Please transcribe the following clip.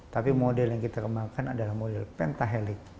tapi model yang kita kembangkan adalah model pentah